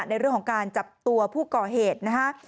ในเรื่องของการจับตัวผู้ก่อเหตุนะฮะ